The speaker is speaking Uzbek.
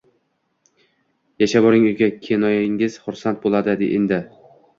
Yashavoring uka, kennoyingiz xursand bo`ladi endi